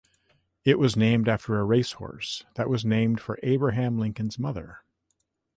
It was named after a race horse that was named for Abraham Lincoln's mother.